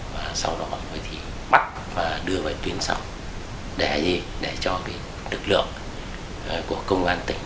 và sau đó họ mới thì bắt và đưa vào tuyến sau để cho cái nực lượng của công an tỉnh